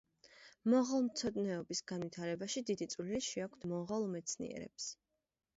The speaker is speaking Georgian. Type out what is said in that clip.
მონღოლთმცოდნეობის განვითარებაში დიდი წვლილი შეაქვთ მონღოლ მეცნიერებს.